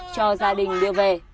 cho gia đình đưa về